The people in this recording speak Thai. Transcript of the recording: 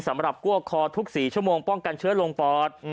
กลัวคอทุก๔ชั่วโมงป้องกันเชื้อลงปอด